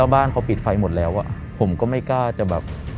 บ้านเขาปิดไฟหมดแล้วผมก็ไม่กล้าจะแบบ